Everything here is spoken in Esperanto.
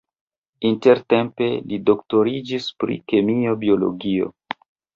Intertempe li doktoriĝis pri kemio-biologio.